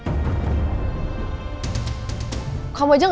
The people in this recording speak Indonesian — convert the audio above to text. kamu aja gak tau sebenernya